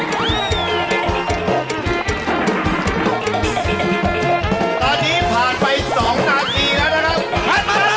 ตอนนี้ผ่านไป๒นาทีแล้วนะครับ